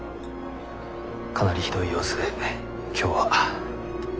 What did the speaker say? かなりひどい様子で今日は。